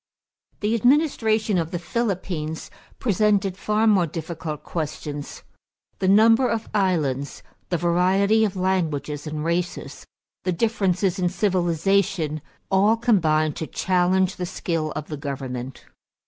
= The administration of the Philippines presented far more difficult questions. The number of islands, the variety of languages and races, the differences in civilization all combined to challenge the skill of the government.